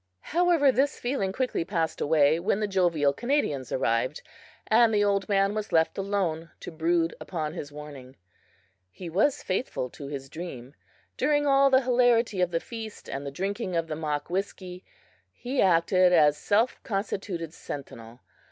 However, this feeling quickly passed away when the jovial Canadians arrived, and the old man was left alone to brood upon his warning. He was faithful to his dream. During all the hilarity of the feast and the drinking of the mock whiskey, be acted as self constituted sentinel.